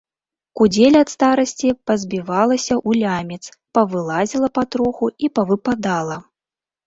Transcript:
Кудзеля ад старасці пазбівалася ў лямец, павылазіла патроху і павыпадала.